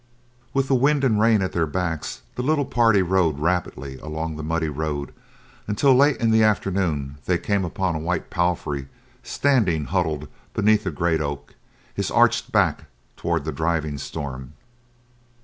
With the wind and rain at their backs, the little party rode rapidly along the muddy road, until late in the afternoon they came upon a white palfrey standing huddled beneath a great oak, his arched back toward the driving storm.